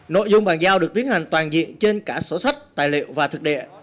nội dung bàn giao được tiến hành toàn diện trên cả sổ sách tài liệu và thực địa